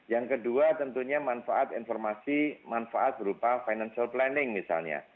yang kedua tentunya manfaat informasi manfaat berupa financial planning misalnya